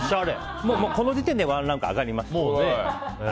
この時点でワンランク上がりました。